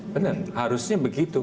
benar harusnya begitu